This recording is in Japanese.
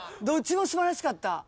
どっちも素晴らしかった。